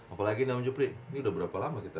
apalagi nih nam jepri ini udah berapa lama kita